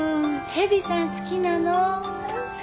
蛇さん好きなの？